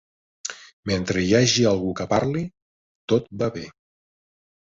Mentre hi hagi algú que parli, tot va bé.